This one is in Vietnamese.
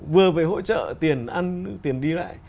vừa phải hỗ trợ tiền ăn tiền đi lại